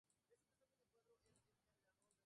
Actualmente se conoce por todo el mundo.